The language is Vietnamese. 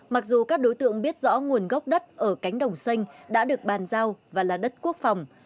mặc dù các đối tượng biết rõ nguồn gốc đất ở cánh đồng xanh đã được bàn giao và là đất quốc phòng